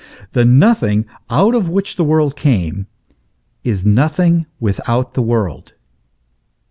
The nothing, out of which the world came, is nothing without the world.